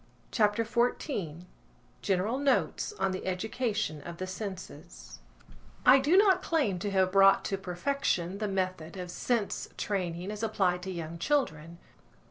CHAPTER XIV GENERAL NOTES ON THE EDUCATION OF THE SENSES I DO not claim to have brought to perfection the method of sense training as applied to young children.